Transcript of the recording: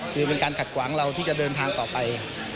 คือเป็นการขัดขวางเราที่จะเดินทางต่อไป